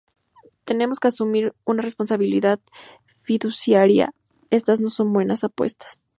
Tenemos que asumir una responsabilidad fiduciaria, estas no son buenas apuestas".